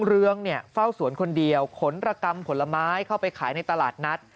เอาขนระกำผลไม้เข้าไปขายในตลาดนัด